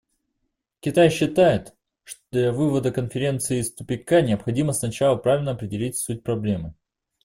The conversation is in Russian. Китай считает, что для вывода Конференции из тупика необходимо сначала правильно определить суть проблемы.